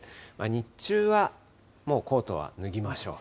日中は、もうコートは脱ぎましょう。